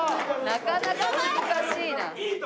なかなか難しいな。